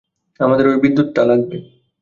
আমাদের ওই বিদ্যুৎটা লাগবে।